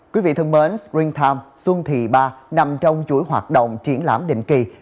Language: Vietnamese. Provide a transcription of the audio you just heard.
quý vị thân mến springtime xuân thị ba nằm trong chuỗi hoạt động triển lãm định kỳ